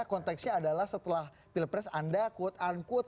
konteksnya adalah setelah pilpres anda quote unquote